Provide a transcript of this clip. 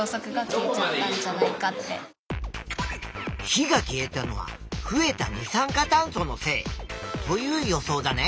火が消えたのは増えた二酸化炭素のせいという予想だね。